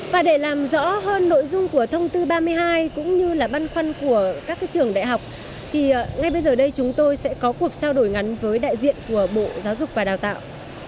và để làm rõ hơn nội dung của thông tư ba mươi hai cũng như là băn khoăn của các trường đại học thì ngay bây giờ đây chúng tôi sẽ có cuộc trao đổi ngắn với đại diện của bộ giáo dục và đào tạo